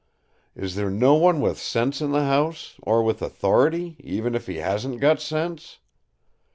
Is there no one with sense in the house; or with authority, even if he hasn't got sense?